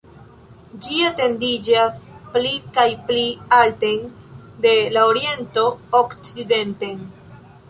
Ĝi etendiĝas pli kaj pli alten de la oriento okcidenten.